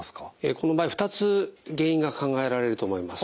この場合２つ原因が考えられると思います。